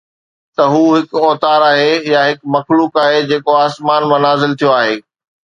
ته هو هڪ اوتار آهي يا هڪ مخلوق آهي جيڪو آسمان مان نازل ٿيو آهي